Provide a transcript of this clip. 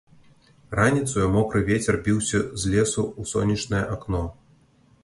Раніцаю мокры вецер біўся з лесу ў сонечнае акно.